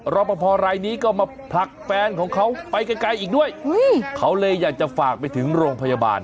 รอปภรายนี้ก็มาผลักแฟนของเขาไปไกลอีกด้วยเขาเลยอยากจะฝากไปถึงโรงพยาบาล